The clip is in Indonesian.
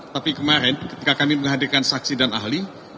tapi kemarin ketika kami menghadirkan saksi dan ahli